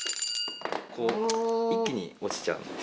一気に落ちちゃうんです。